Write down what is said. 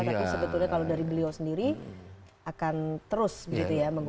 tapi sebetulnya kalau dari beliau sendiri akan terus begitu ya